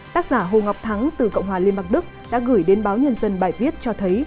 tác giả hồ ngọc thắng từ cộng hòa liên bang đức đã gửi đến báo nhân dân bài viết cho thấy